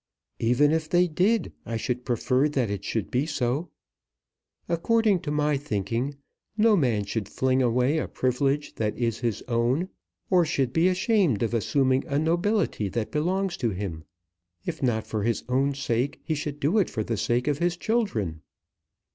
"Even if they did, I should prefer that it should be so. According to my thinking, no man should fling away a privilege that is his own, or should be ashamed of assuming a nobility that belongs to him. If not for his own sake, he should do it for the sake of his children.